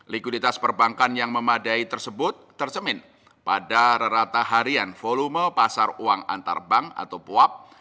likuiditas perbankan yang memadai tersebut tersemin pada rata harian volume pasar uang antarbank atau poap